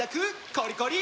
コリコリ！